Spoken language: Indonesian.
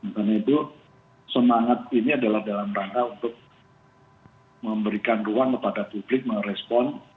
dan itu semangat ini adalah dalam rangka untuk memberikan ruang kepada publik merespon